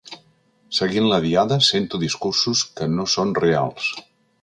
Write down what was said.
Seguint la Diada, sento discursos que no són reals.